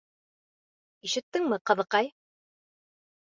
Ишеттеңме, ҡыҙыҡай?